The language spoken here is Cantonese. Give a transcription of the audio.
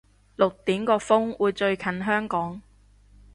六點個風會最近香港